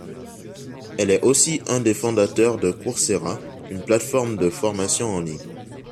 Elle est aussi un des fondateurs de Coursera, une plateforme de formation en ligne.